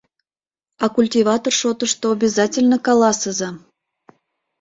— А культиватор шотышто обязательно каласыза: